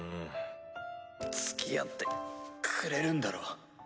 つきあってくれるんだろ？